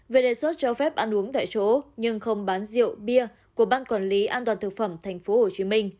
về đề xuất cho phép ăn uống tại chỗ nhưng không bán rượu bia của ban quản lý an toàn thực phẩm tp hcm